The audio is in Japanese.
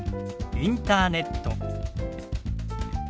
「インターネット」。